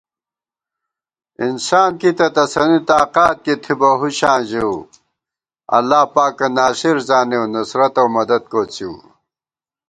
انسان کی تہ تسَنی تاقات کی تھِبہ ہُشاں ژِؤ * اللہ پاکہ ناصر زانِؤ نصرت اؤ مدد کوڅِؤ